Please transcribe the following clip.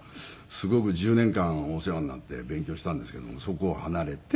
すごく１０年間お世話になって勉強したんですけどもそこを離れて。